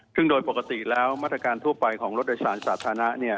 ซึ่งโดยปกติแล้วมาตรการทั่วไปของรถโดยสารสาธารณะ